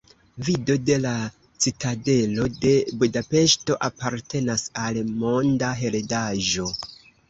Vido de la Citadelo de Budapeŝto apartenas al Monda Heredaĵo.